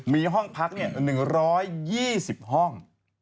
มีห้องพัก๑๒๐ห้อง